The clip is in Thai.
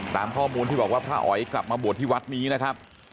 ตามข้อมูลที่บอกว่าพระอ๋อยกลับมาบวชที่วัดนี้นะครับ